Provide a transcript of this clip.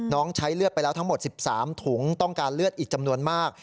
ใช้เลือดไปแล้วทั้งหมด๑๓ถุงต้องการเลือดอีกจำนวนมาก